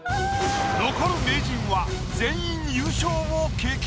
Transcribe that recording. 残る名人は全員優勝を経験。